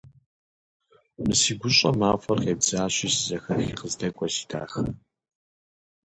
Мы си гущӏэм мафӏэр къебдзащи, сызэхэхи къыздэкӏуэ, си дахэ!